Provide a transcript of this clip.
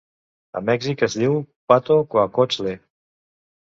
A Mèxic es diu 'pato coacoxtle'.